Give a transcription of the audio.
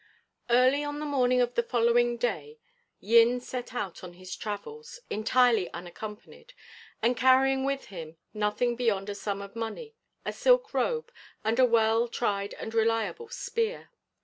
Early on the morning of the following day Yin set out on his travels, entirely unaccompanied, and carrying with him nothing beyond a sum of money, a silk robe, and a well tried and reliable spear.